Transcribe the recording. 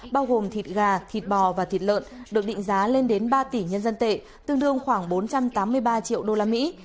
bao gồm thịt gà thịt bò và thịt lợn được định giá lên đến ba tỷ nhân dân tệ tương đương khoảng bốn trăm tám mươi ba triệu đô la mỹ